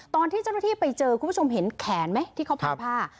ตอนที่เจ้าหน้าที่ไปเจอคุณผู้ชมเห็นแขนไหมที่เขาพันผ้า